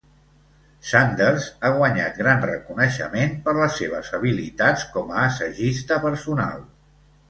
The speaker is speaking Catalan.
Sanders ha guanyat gran reconeixement per les seves habilitats com a assagista personal.